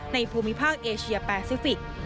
ภูมิภาคเอเชียแปซิฟิกส์